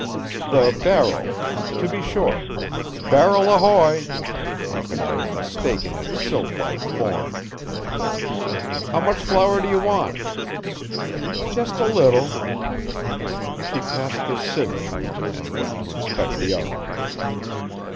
"The barrel! To be sure. Barrel ahoy! How could I have mistaken its sylph like form? How much flour do you want?" "Just a little." She passed the sieve to him and went to inspect the oven.